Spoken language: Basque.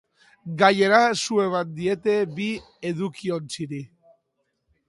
Gainera, su eman diete bi edukiontziri.